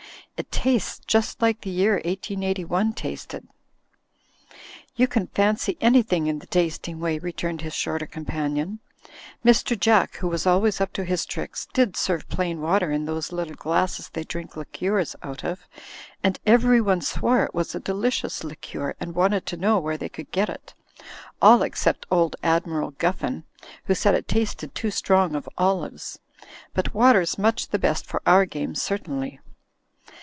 "It tastes just like the year 1881 tasted." "You can fancy anything in the tasting way," re turned his shorter companion. "Mr. Jack, who was always up to his tricks, did serve plain water in those little glasses they drink liqueurs out of, and everyone swore it was a delicious liqueur, and wanted to Imow where they could get it — ^all except old Admiral Guffin, who said it tasted too strong of olives. But water's much the best for our game, certainly."